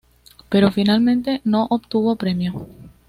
Pero, finalmente, no obtuvo premio.